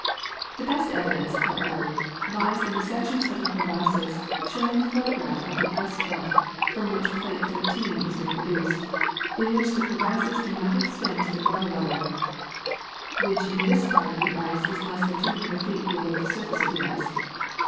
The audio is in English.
The best evidence, however, lies in the sections of the crevasses shown in the photograph of the ice front from which plate 13 is reproduced, in which the crevasses do not extend to the water level, which in this part of the ice fi'ont is less than 200 feet below the surface of the ice.